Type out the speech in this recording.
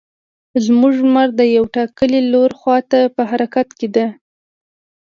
زموږ لمر د یو ټاکلي لور خوا ته په حرکت کې ده.